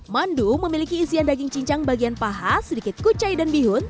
mandu memiliki isian daging cincang bagian paha sedikit kucai dan bihun